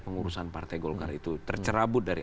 pengurusan partai golkar itu tercerabut dari